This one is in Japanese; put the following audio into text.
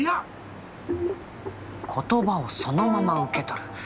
言葉をそのまま受け取る。